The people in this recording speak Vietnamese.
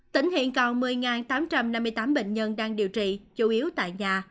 tỉnh hiện còn một mươi tám trăm năm mươi tám bệnh nhân đang điều trị chủ yếu tại nhà